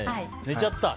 寝ちゃった？